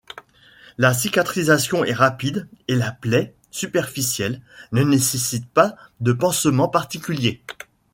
La cicatrisation est rapide et la plaie, superficielle, ne nécessite pas de pansement particulier.